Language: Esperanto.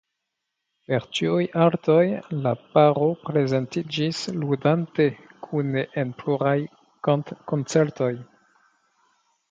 Per tiuj artoj la paro prezentiĝis ludante kune en pluraj kantkoncertoj.